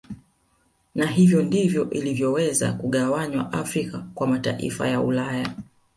Na hivyo ndivyo ilivyoweza kugawanywa Afrika kwa mataifa ya Ulaya